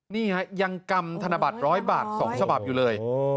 นี่ฮะยังกำธนบัตร๑๐๐บาท๒ฉบับอยู่เลย